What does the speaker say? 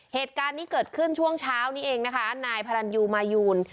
เหตุการณ์นี้เกิดขึ้นช่วงเช้านี้เองนะคะนายพรรณยูมายูน